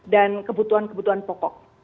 dan kebutuhan kebutuhan pokok